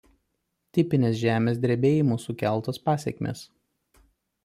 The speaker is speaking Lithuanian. Tipinės žemės drebėjimų sukeltos pasekmės.